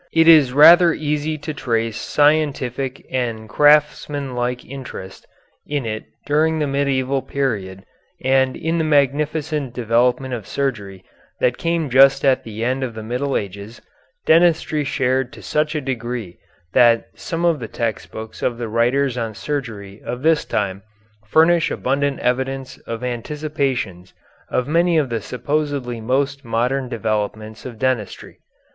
It is rather easy to trace scientific and craftsmanlike interest in it during the medieval period and in the magnificent development of surgery that came just at the end of the Middle Ages, dentistry shared to such degree that some of the text books of the writers on surgery of this time furnish abundant evidence of anticipations of many of the supposedly most modern developments of dentistry.